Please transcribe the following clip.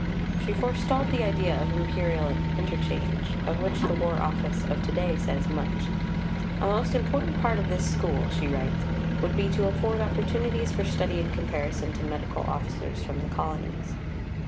She forestalled the idea of Imperial inter change, of which the War Office of to day says much. "A most important part of this School," she writes, would be to afford opportunities for study and comparison to Medical Officers from the Colonies.